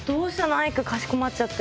アイクかしこまっちゃって。